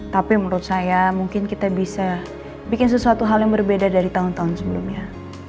tapi menurut saya mungkin kita bisa bikin sesuatu hal yang berbeda dari tahun tahun sebelumnya